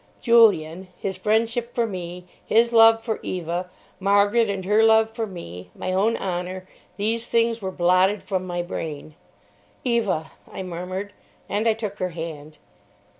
Julian, his friendship for me, his love for Eva; Margaret and her love for me; my own honour—these things were blotted from my brain. "Eva!" I murmured; and I took her hand.